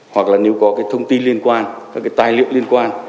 hoặc là nếu có thông tin liên quan các tài liệu liên quan